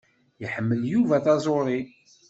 Iḥemmel Yuba taẓuṛi.